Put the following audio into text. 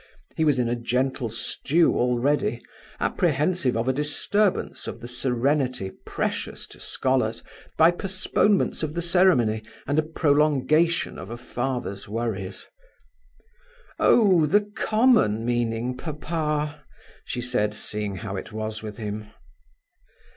He was in a gentle stew already, apprehensive of a disturbance of the serenity precious to scholars by postponements of the ceremony and a prolongation of a father's worries. "Oh, the common meaning, papa," she said, seeing how it was with him.